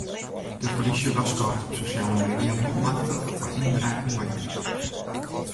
De polysje warskôget op sosjale media manmachtich foar ynbraken mei de krystdagen.